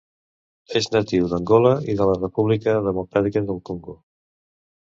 És natiu d'Angola i de la República Democràtica del Congo.